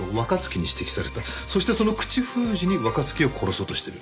そしてその口封じに若月を殺そうとしてる。